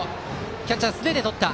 キャッチャー、素手でとった。